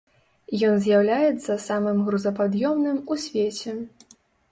Ён з'яўляецца самым грузапад'ёмным ў свеце.